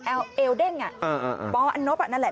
เอลเด้งปอันนบนั่นแหละ